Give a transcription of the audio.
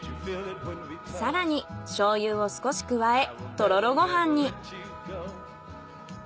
更にしょうゆを少し加えとろろご飯に。